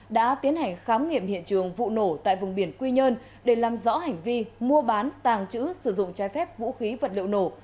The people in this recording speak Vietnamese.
đã tiến hành khám nghiệm hiện trường vụ nổ tại vùng biển quy nhơn để làm rõ hành vi mua bán tàng trữ sử dụng trái phép vũ khí vật liệu nổ